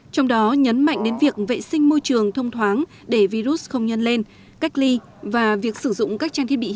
trong đó nhấn mạnh đến việc vệ sinh môi trường thông thoáng để virus không nhân lên cách ly và việc sử dụng các trang thiết bị y tế